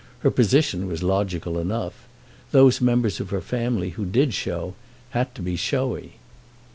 Her position was logical enough—those members of her family who did show had to be showy.